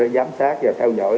giám sát và theo dõi